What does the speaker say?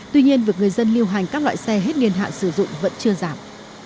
tuy nhiên việc người dân lưu hành các loại xe hết niên hạn sử dụng vẫn chưa giảm